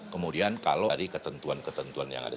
kemudian kalau ada ketentuan ketentuan yang ada